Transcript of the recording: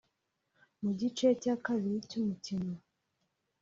Mu gice cya kabiri cy’umukino